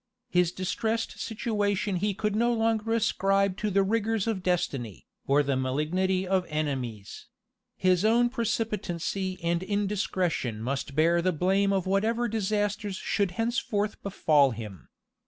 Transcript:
His distressed situation he could no longer ascribe to the rigors of destiny, or the malignity of enemies: his own precipitancy and indiscretion must bear the blame of whatever disasters should henceforth befall him.